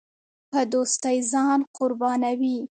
په دوستۍ ځان قربانوي.